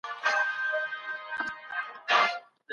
دوی په ګډه د سولي ملاتړ کاوه.